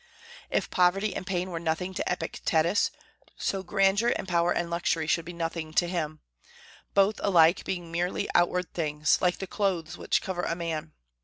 If poverty and pain were nothing to Epictetus, so grandeur and power and luxury should be nothing to him, both alike being merely outward things, like the clothes which cover a man.